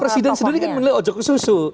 presiden sendiri kan menilai ojok ke susu